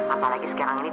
apalagi sekarang ini dewi